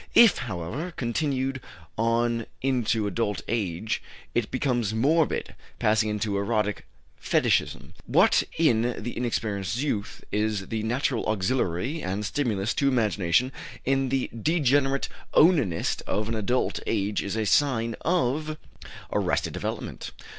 If, however, continued on into adult age, it becomes morbid, passing into erotic fetichism; what in the inexperienced youth is the natural auxiliary and stimulus to imagination, in the degenerate onanist of adult age is a sign of arrested development.